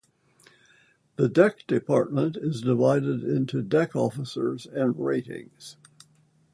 The deck department is divided into deck officers and ratings.